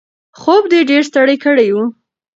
خوب دی ډېر ستړی کړی و.